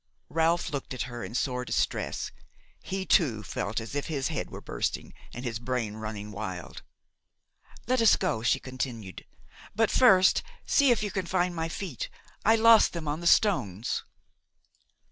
Ralph looked at her in sore distress. He too felt as if his head were bursting and his brain running wild. "Let us go," she continued; "but first see if you can find my feet; I lost them on the stones."